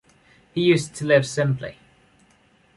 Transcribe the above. He used to live simply.